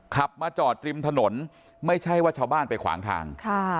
ขับมาจอดริมถนนไม่ใช่ว่าชาวบ้านไปขวางทาง